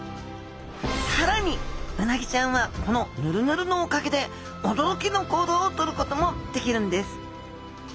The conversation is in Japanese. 更にうなぎちゃんはこのヌルヌルのおかげで驚きの行動をとることもできるんです！